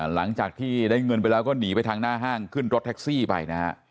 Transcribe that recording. หลังจากที่ได้เงินไปแล้วก็หนีไปทางหน้าห้างขึ้นรถแท็กซี่ไปนะฮะ